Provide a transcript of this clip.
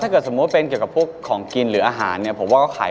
ถ้าเกิดสมมุติเป็นเกี่ยวกับพวกของกินหรืออาหารผมว่าก็ขายได้อยู่นะครับ